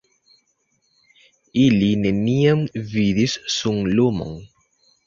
Ili neniam vidis sunlumon.